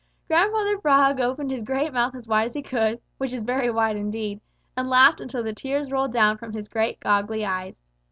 Grandfather Frog opened his great mouth as wide as he could, which is very wide indeed, and laughed until the tears rolled down from his great, goggly eyes.